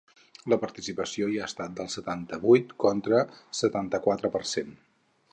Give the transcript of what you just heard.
La participació hi ha estat del setanta-vuit coma setanta-quatre per cent.